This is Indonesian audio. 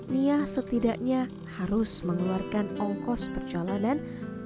nia setidaknya harus mengeluarkan ongkos perjalanan